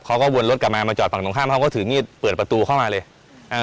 เขาก็วนรถกลับมามาจอดฝั่งตรงข้ามเขาก็ถือมีดเปิดประตูเข้ามาเลยอ่า